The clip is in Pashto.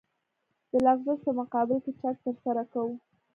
د لغزش په مقابل کې چک ترسره کوو